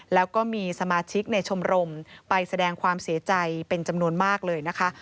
แล้วก็มีสมาชิกในชมรมไปแสดงความเสียใจเป็นจำนวนมากเลยนะคะ